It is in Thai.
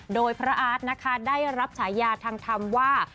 โดยพระอาทได้รับฉายาทางธรรมว่า